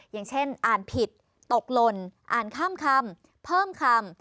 อย่างเช่นอ่านผิดตกหล่นอ่านข้ามคำเพิ่มคำ